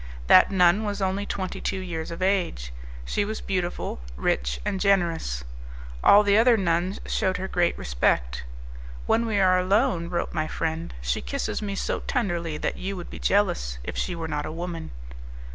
That nun was only twenty two years of age; she was beautiful, rich and generous; all the other nuns shewed her great respect. "When we are alone," wrote my friend, "she kisses me so tenderly that you would be jealous if she were not a woman."